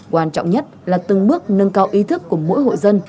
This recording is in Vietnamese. quan trọng nhất là từng bước nâng cao ý thức của mỗi hộ dân